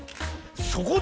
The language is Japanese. そこで！